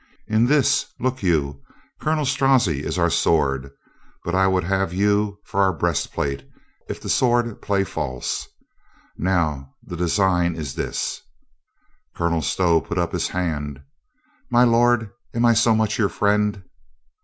"In this, look you, Colonel Strozzi is our sword, but I would have you for our breastplate if the sword play false. Now the design is this —" Colonel Stow put up his hand. "My lord, am I so much your friend?"